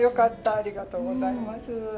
ありがとうございます。